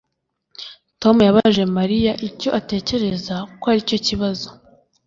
Tom yabajije Mariya icyo atekereza ko aricyo kibazo.